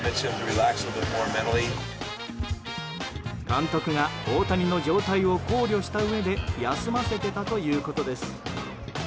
監督が大谷の状態を考慮したうえで休ませていたということです。